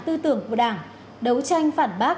tư tưởng của đảng đấu tranh phản bác